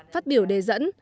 phát biểu đề dẫn